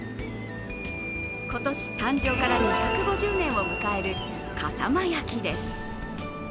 今年、誕生から２５０年を迎える笠間焼です。